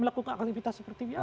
melakukan aktivitas seperti biasa